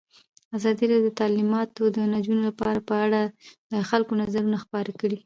ازادي راډیو د تعلیمات د نجونو لپاره په اړه د خلکو نظرونه خپاره کړي.